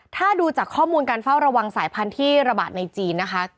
ถ้าดูจากข้อมูลการเฝ้าระวังสายพันธุ์ที่ระบาดในจีนนะคะ